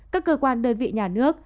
các cơ quan đơn vị nhà nước